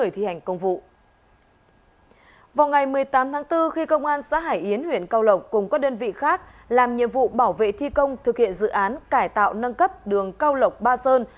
tháng bốn khi công an xã hải yến huyện cao lộc cùng các đơn vị khác làm nhiệm vụ bảo vệ thi công thực hiện dự án cải tạo nâng cấp đường cao lộc ba sơn